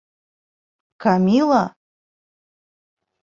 Камила!